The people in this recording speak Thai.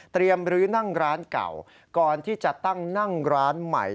รื้อนั่งร้านเก่าก่อนที่จะตั้งนั่งร้านใหม่